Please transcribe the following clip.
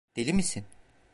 Deli misin?